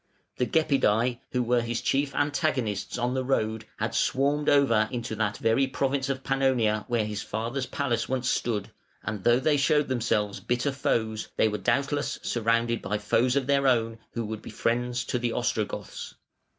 The Gepidæ, who were his chief antagonists on the road, had swarmed over into that very province of Pannonia where his father's palace once stood; and though they showed themselves bitter foes, they were doubtless surrounded by foes of their own who would be friends to the Ostrogoths.